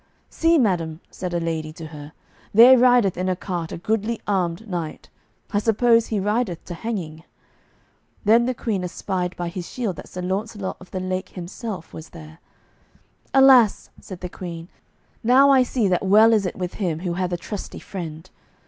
"See, madam," said a lady to her, "there rideth in a cart a goodly armed knight; I suppose he rideth to hanging." Then the Queen espied by his shield that Sir Launcelot of the Lake himself was there. "Alas," said the Queen; "now I see that well is it with him who hath a trusty friend.